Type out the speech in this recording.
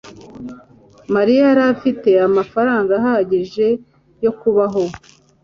Mariya yari afite amafaranga ahagije yo kubaho